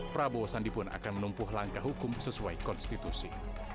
prabowo sandi pun akan menumpuh langkah hukum sesuai konstitusi